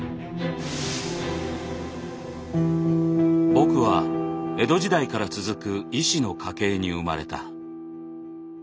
僕は江戸時代から続く医師の家系に生まれた。